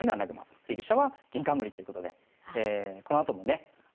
振り飛車は銀冠ということでこのあともね